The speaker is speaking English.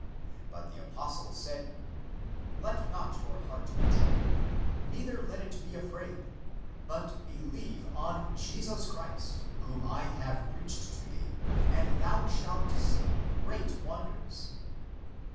But the apostle said, " Let not your heart be troubled, neither let it be afraid ;^ but believe on Jesus Christ, whom I have preached to thee, and thou shalt see great wonders."